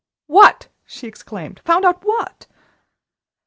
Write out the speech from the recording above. "What!" she exclaimed, "found out what?"